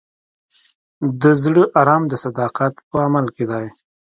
د زړه ارام د صداقت په عمل کې دی.